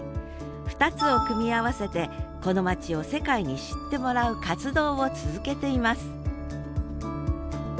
２つを組み合わせてこの町を世界に知ってもらう活動を続けています